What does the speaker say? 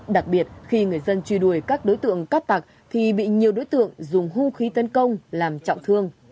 đặc biệt khi người dân truy đuổi các đối tượng cát tặc thì bị nhiều đối tượng dùng hung khí tấn công làm trọng thương